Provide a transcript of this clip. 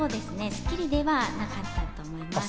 『スッキリ』ではなかったと思います。